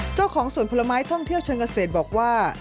เจ้าของสวนผลไม้ท่องเที่ยวเชิงเกษตรบอกว่า